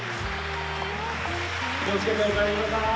気を付けてお帰りください。